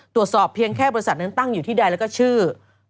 ตรวจสอบเพียงแค่บริษัทนั้นตั้งอยู่ที่ใดแล้วก็ชื่อ